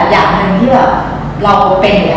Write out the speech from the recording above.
แต่อย่างหนึ่งที่เราเป็น